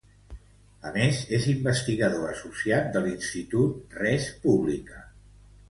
A més, és investigador associat de l'Institut Res Publica.